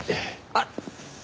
あっ。